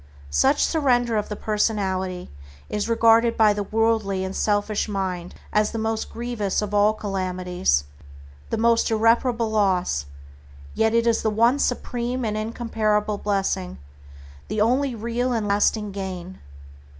Such surrender of the personality is regarded by the worldly and selfish mind as the most grievous of all calamities, the most irreparable loss, yet it is the one supreme and incomparable blessing, the only real and lasting gain.